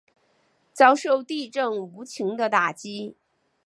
遭受地震无情的打击